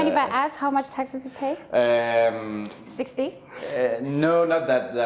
berapa banyak tax yang anda bayar